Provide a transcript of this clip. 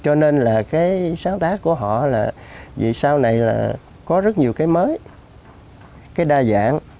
cho nên là cái sáng tác của họ là vì sau này là có rất nhiều cái mới cái đa dạng